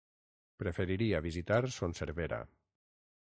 Preferiria visitar Son Servera.